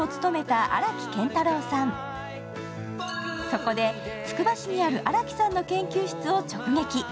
そこで、つくば市にある荒木さんの研究室を直撃。